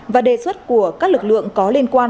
và đề xuất của các lực lượng có lực lượng tìm kiếm cứu nạn